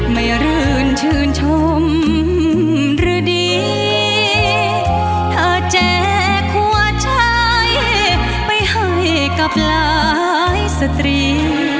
ไม่รื่นชื่นชมหรือดีเธอแจกหัวใจไปให้กับหลายสตรี